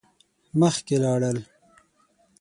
مخکی لاړل.